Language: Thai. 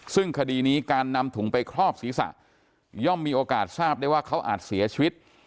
ซึ่งคดีนี้การนำถุงไปครอบศีรษะย่อมมีโอกาสทราบได้ว่าเขาอาจเสียชีวิต